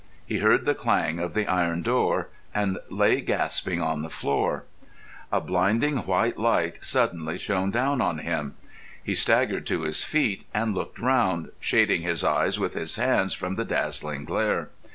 He heard the clang of the iron door and lay gasping on the floor. A blinding white light suddenly shone down on him. He staggered to his feet and looked round, shading his eyes with his hands from the dazzling glare.